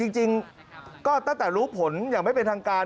จริงก็ตั้งแต่รู้ผลอย่างไม่เป็นทางการ